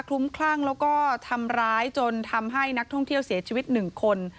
ลุ้มคลั่งแล้วก็ทำร้ายจนทำให้นักท่องเที่ยวเสียชีวิตหนึ่งคน